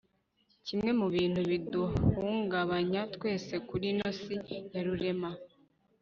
kimwe mu bintu biduhungabanya twese kuri ino si ya rurema